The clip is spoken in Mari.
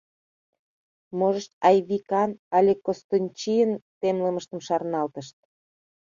Можыч, Айвикан але Кыстынчийын темлымыштым шарналтышт.